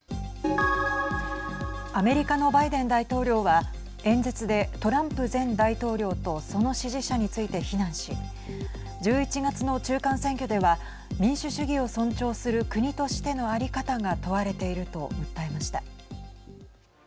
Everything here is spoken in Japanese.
アメリカのバイデン大統領は演説でトランプ前大統領とその支持者について非難し１１月の中間選挙では民主主義を尊重する国としての在り方が問われていると訴えました。